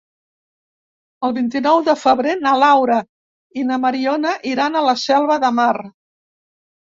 El vint-i-nou de febrer na Laura i na Mariona iran a la Selva de Mar.